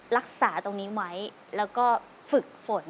รักษาตรงนี้ไว้แล้วก็ฝึกฝน